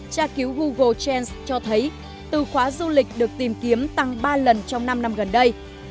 tra cứu google trends cho thấy từ khóa du lịch được tìm kiếm tăng ba lần trong năm năm gần đây